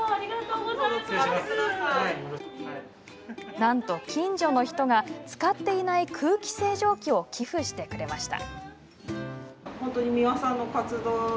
なんと近所の人が使っていない空気清浄機を寄付してくれました。